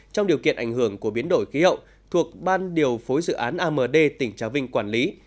trong điều kiện ảnh hưởng của biến đổi khí hậu thuộc ban điều phối dự án amd tỉnh trà vinh quản lý